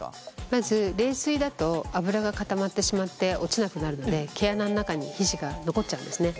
まず冷水だと脂が固まってしまって落ちなくなるので毛穴の中に皮脂が残っちゃうんですね。